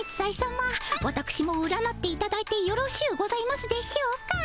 わたくしも占っていただいてよろしゅうございますでしょうか。